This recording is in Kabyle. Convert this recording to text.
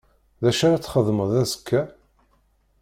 D acu ara txedmeḍ azekka?